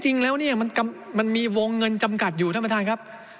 แล้วจริงแล้วนี่จะมันมีวงเงินจำกัดอยู่ครับ